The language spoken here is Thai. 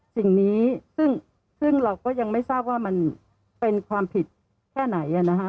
สิ่งนี้ซึ่งเราก็ยังไม่ทราบว่ามันเป็นความผิดแค่ไหน